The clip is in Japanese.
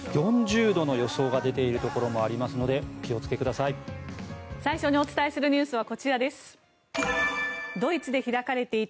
４０度の予想が出ているところもありますのでお気をつけください。